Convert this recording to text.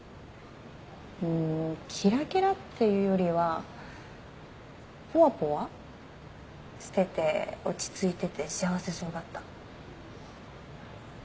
うんキラキラっていうよりはぽわぽわしてて落ち着いてて幸せそうだった。